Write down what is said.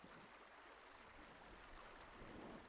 Un sexto sospechoso fue hallado muerto en prisión en marzo.